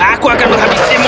aku akan menghabisimu ayah